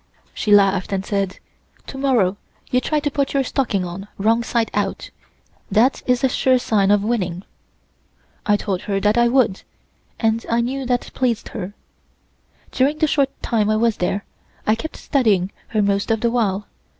She laughed and said: "To morrow you try to put your stocking on wrong side out; that is a sure sign of winning." I told her that I would, and I knew that pleased her. During the short time I was there I kept studying her most of the while.